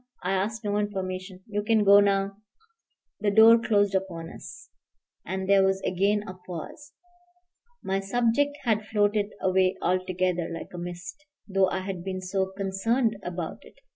I asked no information. You can go now." The door closed upon us, and there was again a pause. My subject had floated away altogether like a mist, though I had been so concerned about it.